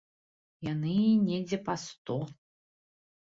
Яны недзе па сто.